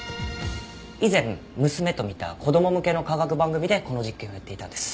以前娘と見た子供向けの科学番組でこの実験をやっていたんです。